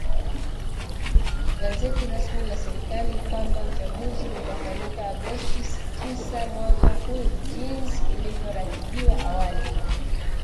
gazeti rasmi la serikali kwamba uchaguzi utafanyika Agosti tisa mwaka huu jinsi ilivyoratibiwa awali